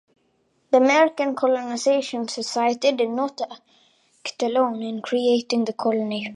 The American Colonization Society did not act alone in creating the colony.